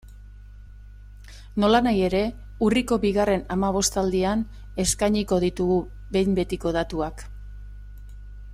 Nolanahi ere, urriko bigarren hamabostaldian eskainiko ditugu behin betiko datuak.